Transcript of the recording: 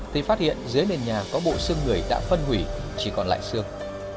thì phát hiện dưới nền nhà có bộ xương người đã phân hủy chỉ còn lại xương